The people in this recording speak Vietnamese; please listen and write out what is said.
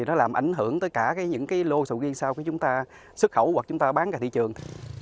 nó làm ảnh hưởng tới cả những lô sầu riêng sau khi chúng ta xuất khẩu hoặc bán cả thị trường